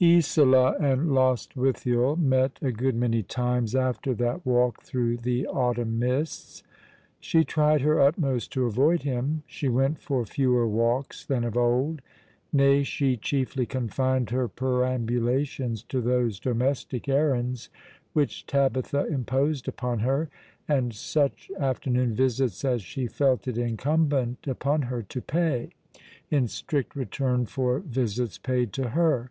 IsoLA and Lostwithiel met a good many times after that walk through the autumn mists. She tried her utmost to avoid him. She went for fewer walks than of old ; nay, she chiefly confined her perambulations to those domestic errands which Tabitha imposed upon her, and such after noon visits as she felt it incumbent upon her to pay, in strict return for visits paid to her.